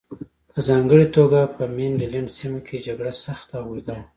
په ځانګړې توګه په مینډلنډ سیمه کې جګړه سخته او اوږده وه.